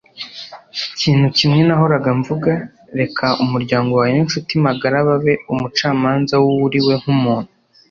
ikintu kimwe nahoraga mvuga: reka umuryango wawe n'inshuti magara babe umucamanza w'uwo uriwe nk'umuntu